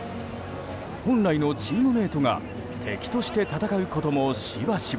本来のチームメートが敵として戦うこともしばしば。